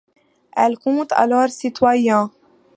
Elle compte alors citoyens.